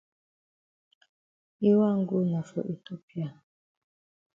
Yi wan go na for Ethiopia.